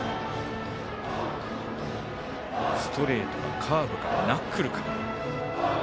ストレートかカーブかナックルか。